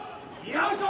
よいしょ！